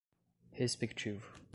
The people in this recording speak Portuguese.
respectivo